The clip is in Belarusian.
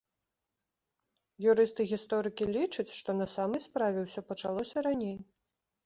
Юрысты-гісторыкі лічаць, што на самай справе ўсё пачалося раней.